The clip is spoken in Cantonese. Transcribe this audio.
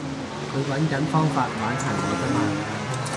佢搵緊方法玩殘我咋嘛